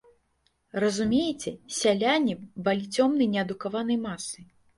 Разумееце, сяляне балі цёмнай неадукаванай масай.